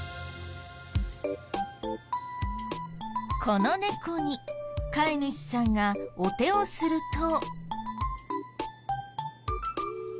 この猫に飼い主さんがお手をすると。